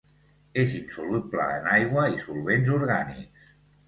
És insoluble en aigua i solvents orgànics.